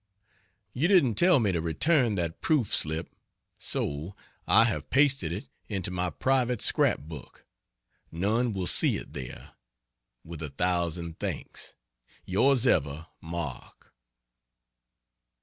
You didn't tell me to return that proof slip, so I have pasted it into my private scrap book. None will see it there. With a thousand thanks. Ys Ever MARK.